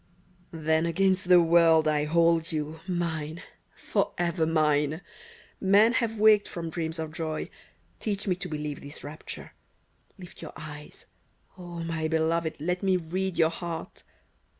Then, against the world, I hold you : Mine — forever mine ! Men have waked from dreams of joy : Teach me to believe this rapture ! Lift your eyes ! O my beloved. Let me read your heart